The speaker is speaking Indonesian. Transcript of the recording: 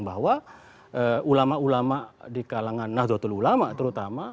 bahwa ulama ulama di kalangan nahdlatul ulama terutama